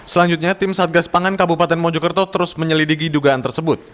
selanjutnya tim satgas pangan kabupaten mojokerto terus menyelidiki dugaan tersebut